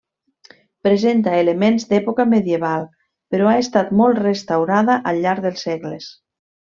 Presenta elements d'època medieval, però ha estat molt restaurada al llarg dels segles.